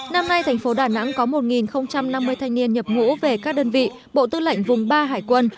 năm nay thành phố đà nẵng có một năm mươi thanh niên nhập ngũ về các đơn vị bộ tư lệnh vùng ba hải quân